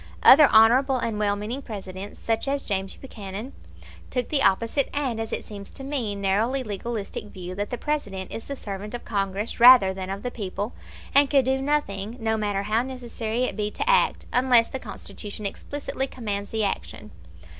Other honorable and well meaning Presidents, such as James Buchanan, took the opposite and, as it seems to me, narrowly legalistic view that the President is the servant of Congress rather than of the people, and can do nothing, no matter how necessary it be to act, unless the Constitution explicitly commands the action.